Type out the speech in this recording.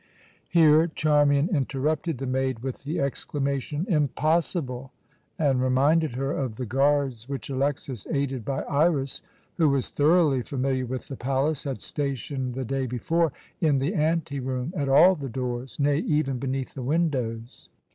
Here Charmian interrupted the maid with the exclamation "Impossible!" and reminded her of the guards which Alexas, aided by Iras, who was thoroughly familiar with the palace, had stationed the day before in the anteroom, at all the doors nay, even beneath the windows.